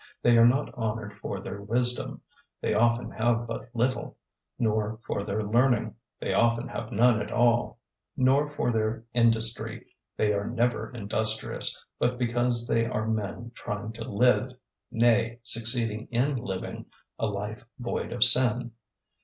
They are not honoured for their wisdom they often have but little; nor for their learning they often have none at all; nor for their industry they are never industrious; but because they are men trying to live nay, succeeding in living a life void of sin.